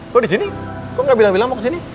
kok disini kok gak bilang bilang mau kesini